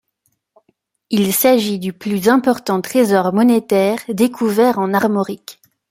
Il s'agit du plus important trésor monétaire découvert en Armorique.